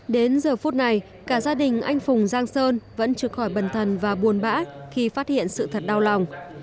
đến giờ phút này cả gia đình anh phùng giang sơn vẫn trực khỏi bần thần và buồn bã khi phát hiện sự thật đau lòng